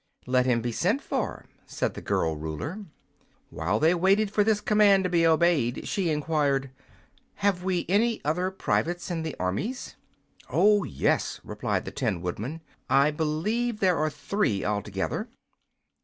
"Let him be sent for," said the girl ruler. While they waited for this command to be obeyed, she enquired: "Have we any other privates in the armies?" "Oh, yes," replied the Tin Woodman, "I believe there are three, altogether."